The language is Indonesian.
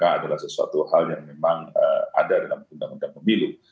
adalah sesuatu hal yang memang ada dalam undang undang pemilu